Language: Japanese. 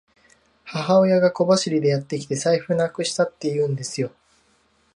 母親が小走りでやってきて、財布なくしたって言うんですよ。